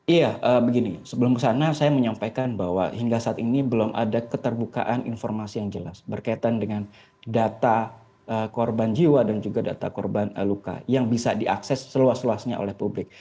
iya begini sebelum kesana saya menyampaikan bahwa hingga saat ini belum ada keterbukaan informasi yang jelas berkaitan dengan data korban jiwa dan juga data korban luka yang bisa diakses seluas luasnya oleh publik